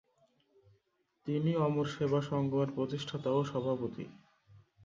তিনি অমর সেবা সঙ্গমের প্রতিষ্ঠাতা ও সভাপতি।